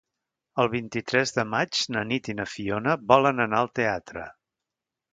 El vint-i-tres de maig na Nit i na Fiona volen anar al teatre.